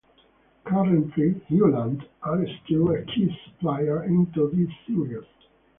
Currently Hewland are still a key supplier into this series.